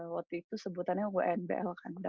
waktu itu sebutannya wnbl kan